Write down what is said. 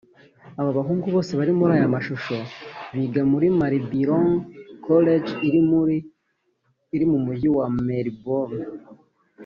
Aba bahungu bose bari muri aya mashusho biga muri Maribyrnong College iri mu mujyi wa Melbourne